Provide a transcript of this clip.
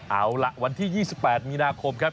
เอาล่ะวันที่๒๘มีนาคมครับ